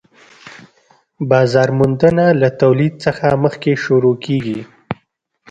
بازار موندنه له تولید څخه مخکې شروع کيږي